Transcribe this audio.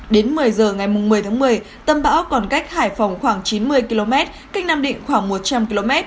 đến một mươi giờ ngày một mươi tháng một mươi tâm bão còn cách hải phòng khoảng chín mươi km cách nam định khoảng một trăm linh km